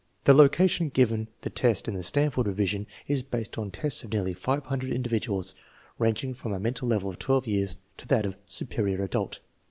The location given the test in the Stanford revision is based on tests of nearly 500 individuals ranging from a mental level of 12 years to that of " superior adult."